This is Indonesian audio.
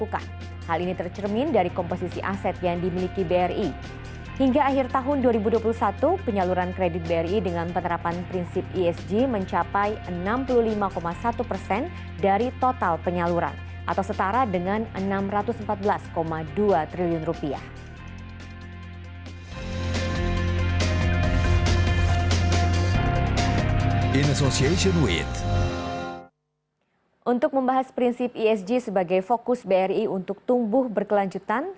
untuk membahas prinsip esg sebagai fokus bri untuk tumbuh berkelanjutan